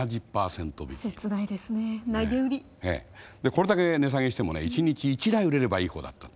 これだけ値下げしてもね１日１台売れればいいほうだったと。